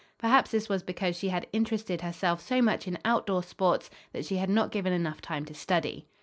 Perhaps this was because she had interested herself so much in outdoor sports that she had not given enough time to study.